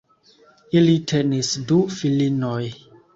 Ili tenis du filinoj.